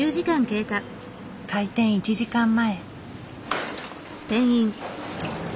開店１時間前。